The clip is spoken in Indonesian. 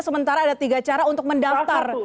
sementara ada tiga cara untuk mendaftar